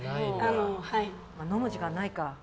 飲む時間、ないか。